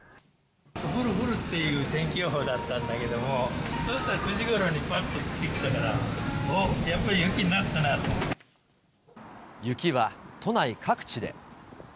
降る降るっていう天気予報だったんだけれども、そしたら９時ごろにぱっと降ってきたから、おっ、やっぱり雪にな雪は都内各地で。